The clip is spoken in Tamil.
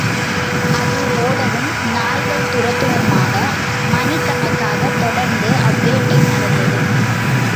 அது ஓடவும், நாய்கள் துரத்தவுமாக மனிக் கணக்காகத் தொடர்ந்து அவ்வேட்டை நடந்தது.